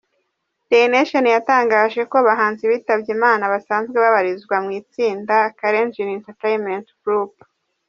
Daily Nation yatangaje ko abahanzi bitabye Imana basanzwe babarizwa mu itsinda Kalenjin entertainment group.